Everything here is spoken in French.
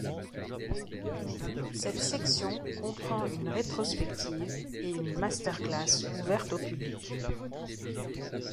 Cette section comprend une rétrospective et une masterclass ouverte au public.